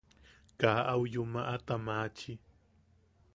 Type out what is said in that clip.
Kaa au yumaʼata maachi.